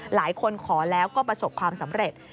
หลายคนขอแล้วก็ประสบความสำเร็จ